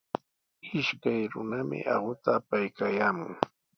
Ishkay runami aquta apaykaayaamun.